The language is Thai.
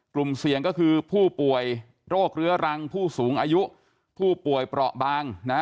กลุ่มเสี่ยงก็คือผู้ป่วยโรคเรื้อรังผู้สูงอายุผู้ป่วยเปราะบางนะ